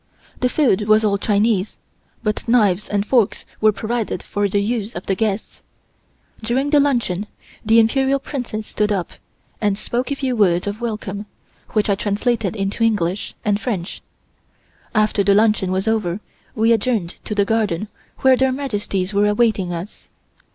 The food was all Chinese, but knives and forks were provided for the use of the guests. During the luncheon the Imperial Princess stood up and spoke a few words of welcome, which I translated into English and French. After the luncheon was over we adjourned to the garden where Their Majesties were awaiting us.